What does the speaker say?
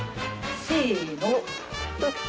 せの。